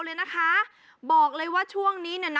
สุดยอดน้ำมันเครื่องจากญี่ปุ่น